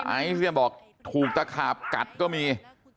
ไอ้บอกถูกตะขาบกัดก็มี